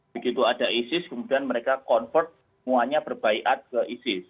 begitu ada isis kemudian mereka convert semuanya berbaikat ke isis